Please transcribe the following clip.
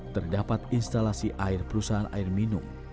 terdapat instalasi air perusahaan air minum